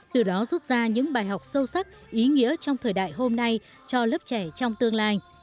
từ đó rút ra những bài học sâu sắc ý nghĩa trong thời đại hôm nay cho lớp trẻ trong tương lai